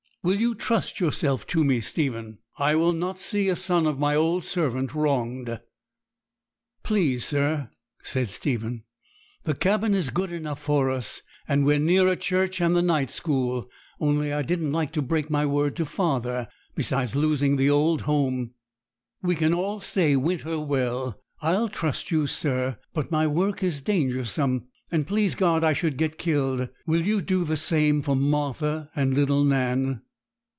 Will you trust yourself to me, Stephen? I will not see a son of my old servant wronged.' 'Please, sir,' said Stephen, 'the cabin is good enough for us, and we are nearer church and the night school; only I didn't like to break my word to father, besides losing the old home: we can stay all winter well. I'll trust you, sir; but my work is dangersome, and please God I should get killed, will you do the same for Martha and little Nan?'